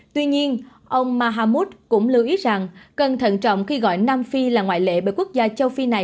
tuy nhiên ông mahammud cũng lưu ý rằng cần thận trọng khi gọi nam phi là ngoại lệ bởi quốc gia châu phi này